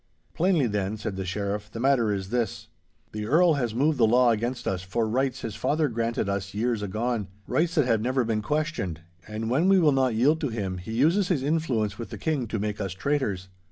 'Plainly then,' said the Sheriff, 'the matter is this. The Earl has moved the law against us for rights his father granted us years agone, rights that have never been questioned, and when we will not yield to him, he uses his influence with the King to make us traitors.